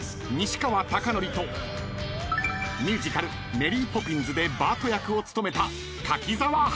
［ミュージカル『メリー・ポピンズ』でバート役を務めた］